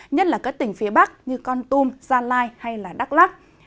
nhất là các tỉnh phía bắc như con tum gia lai hay đắk lắc